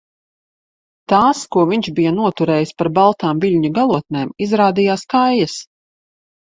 Tās, ko viņš bija noturējis par baltām viļņu galotnēm, izrādījās kaijas.